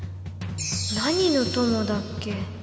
「何の友」だっけ？